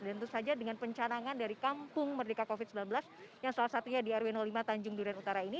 dan itu saja dengan pencanangan dari kampung merdeka covid sembilan belas yang salah satunya di rw lima tanjung durend utara ini